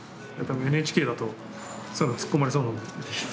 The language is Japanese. ＮＨＫだとそういうの突っ込まれそうなんで。